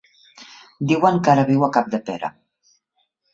Diuen que ara viu a Capdepera.